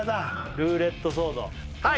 ルーレットソードはい